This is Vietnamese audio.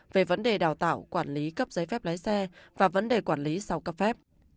về vấn đề đào tạo quản lý cấp giấy phép lái xe và vấn đề quản lý sau cấp phép